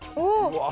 うわ！